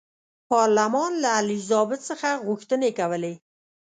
پارلمان له الیزابت څخه غوښتنې کولې.